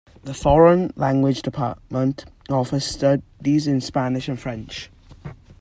The Foreign Language Department offers studies in Spanish and French.